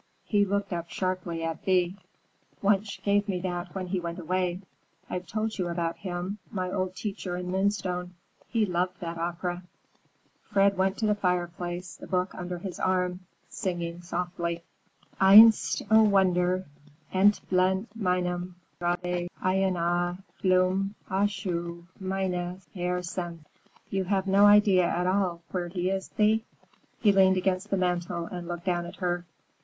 _" He looked up sharply at Thea. "Wunsch gave me that when he went away. I've told you about him, my old teacher in Moonstone. He loved that opera." Fred went toward the fireplace, the book under his arm, singing softly:— "Einst, O Wunder, entblüht auf meinem Grabe, Eine Blume der Asche meines Herzens;" "You have no idea at all where he is, Thea?" He leaned against the mantel and looked down at her.